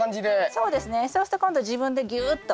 そうすると今度自分でぎゅっと。